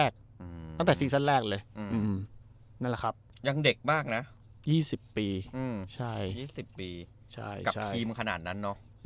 ๒๐ปีกับครีมขนาดนั้น